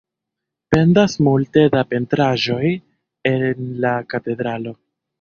Pendas multe da pentraĵoj en la katedralo.